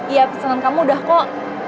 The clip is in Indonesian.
ya pesanan kamu udah kok